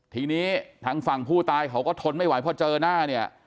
ทีนี้ทางฝั่งผู้ตายเขาก็ทนไม่ไหวพอเจอหน้าเนี่ย